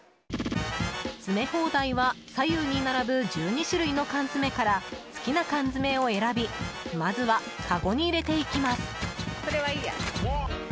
詰め放題は左右に並ぶ１２種類の缶詰から好きな缶詰を選びまずは、かごに入れていきます。